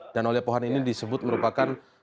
dan aulia pohan ini disebut merupakan